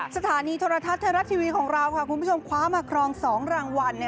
สถานีโทรทัศน์ไทยรัฐทีวีของเราคุณผู้ชมคว้ามาครอง๒รางวัล